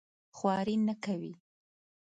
خواري نه کوي.